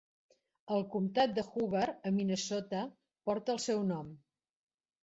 El comtat de Hubbard, a Minnesota, porta el seu nom.